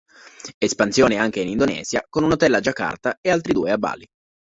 Espansione anche in Indonesia con un hotel a Giacarta e altri due a Bali.